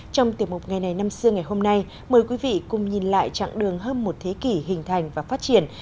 trong tiềm mục ngày này năm xưa ngày hôm nay mời quý vị cùng nhìn lại chặng đường hơn một thế kỷ hình thành và phát triển